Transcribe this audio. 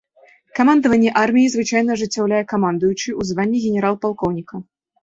Камандаванне арміяй звычайна ажыццяўляе камандуючы ў званні генерал-палкоўніка.